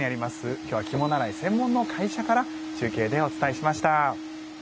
今日は着物洗い専門の会社から中継でお伝えしました。